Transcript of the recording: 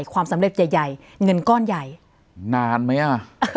ใช่ค่ะความสำเร็จใหญ่เงินก้อนใหญ่นานมั้ยฮะ